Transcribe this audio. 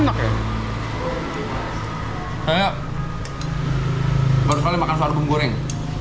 saya baru sekali makan sorghum goreng